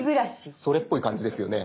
それっぽい感じですよね。